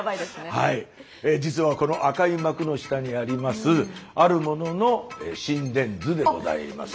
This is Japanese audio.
実はこの赤い幕の下にありますあるものの心電図でございます。